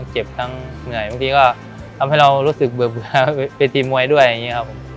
เจ็บทั้งเหนื่อยบางทีก็ทำให้เรารู้สึกเบื่อเวทีมวยด้วยอย่างนี้ครับผม